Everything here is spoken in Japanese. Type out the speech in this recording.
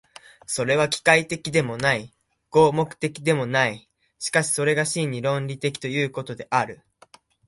それは機械的でもない、合目的的でもない、しかしてそれが真に論理的ということである。